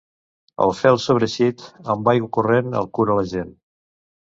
El fel sobreeixit, amb aigua corrent el cura la gent.